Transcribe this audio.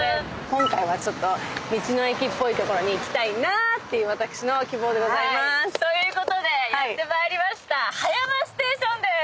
今回は道の駅っぽい所に行きたいなっていう私の希望でございまーす。ということでやってまいりましたＨＡＹＡＭＡＳＴＡＴＩＯＮです。